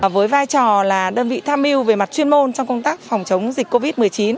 với vai trò là đơn vị tham mưu về mặt chuyên môn trong công tác phòng chống dịch covid một mươi chín